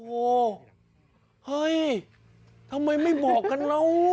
โอ้โหเฮ้ยทำไมไม่บอกกันแล้ว